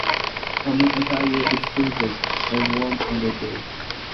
Common attire is chosen and worn on the day.